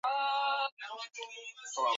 mkoa wa Mbeya upande wa mashariki